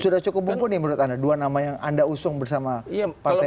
sudah cukup mumpuni menurut anda dua nama yang anda usung bersama partai